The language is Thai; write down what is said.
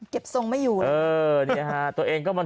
เก็บทรงไม่อยู่เลย